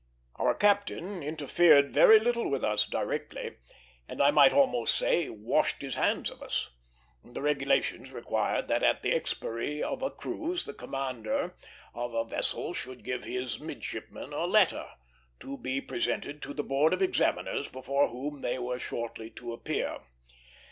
Our captain interfered very little with us directly, and I might almost say washed his hands of us. The regulations required that at the expiry of a cruise the commander of a vessel should give his midshipmen a letter, to be presented to the board of examiners before whom they were shortly to appear.